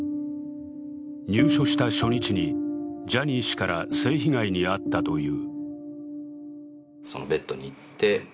入所した初日に、ジャニー氏から性被害に遭ったという。